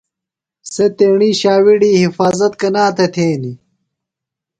سےۡ تیݨی ݜاوِیڑیۡ حفاظت کنا تھےۡ تھینیۡ؟